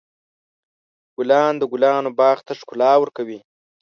ګلان د ګلانو باغ ته ښکلا ورکوي.